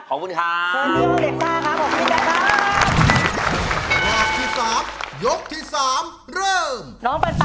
สวัสดีครับ